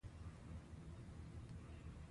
کله خوښ یو او کله خفه پاتې کېږو